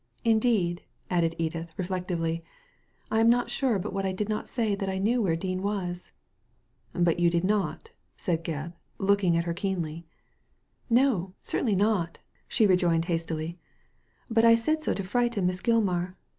Indeed," added Edith, reflec tively, " I am not sure but what I did not say that I knew where Dean was." "But you did not?" said Gebb, looking at her keenly. "No, certainly not," she rejoined hastily; "but I said so to frighten Miss Gilmar.